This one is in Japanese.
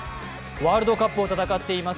ワールドカップを戦っています